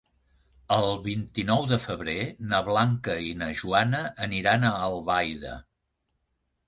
El vint-i-nou de febrer na Blanca i na Joana aniran a Albaida.